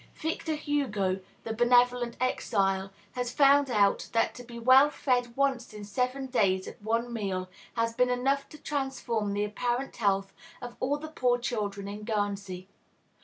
Victor Hugo, the benevolent exile, has found out that to be well fed once in seven days at one meal has been enough to transform the apparent health of all the poor children in Guernsey.